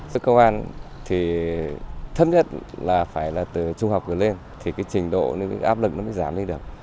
các công an thì thấp nhất là phải là từ trung học cửa lên thì cái trình độ áp lực nó mới giảm đi được